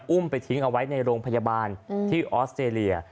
อุ้มไปทิ้งเอาไว้ในโรงพยาบาลที่ออสเตรเลีย